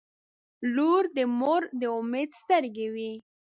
• لور د مور د امید سترګې وي.